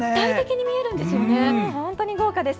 本当に豪華です。